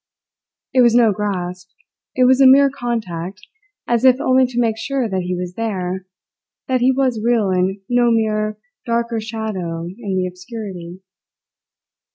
It was no grasp; it was a mere contact, as if only to make sure that he was there, that he was real and no mere darker shadow in the obscurity.